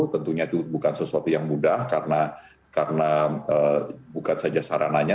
tentunya itu bukan sesuatu yang mudah karena bukan saja sarananya